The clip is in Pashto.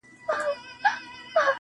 o ريشا زموږ د عاشقۍ خبره ورانه سوله,